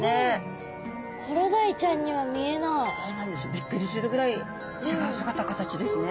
びっくりするぐらい違う姿形ですね！